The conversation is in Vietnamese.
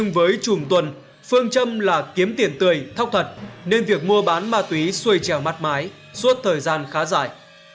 với chùm tuần phương châm là kiếm tiền tươi thóc thật nên việc mua bán ma túy xuôi trèo mắt mái suốt thời gian khá dài